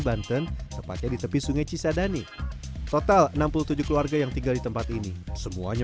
banten tepatnya di tepi sungai cisadane total enam puluh tujuh keluarga yang tinggal di tempat ini semuanya